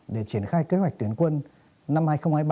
để triển khai kế hoạch tuyển quân năm hai nghìn hai mươi ba